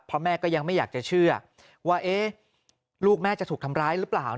เพราะแม่ก็ยังไม่อยากจะเชื่อว่าลูกแม่จะถูกทำร้ายหรือเปล่า